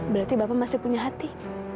berarti bapak masih punya hati